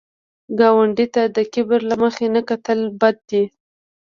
ګاونډي ته د کبر له مخې نه کتل بد دي